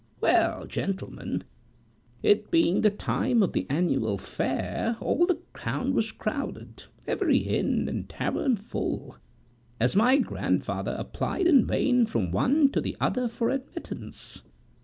Well, gentlemen, it being the time of the annual fair, all the town was crowded; every inn and tavern full, and my grandfather applied in vain from one to the other for admittance.